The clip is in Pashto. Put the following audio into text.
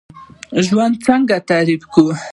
ژوند څنګه تعریف کوئ؟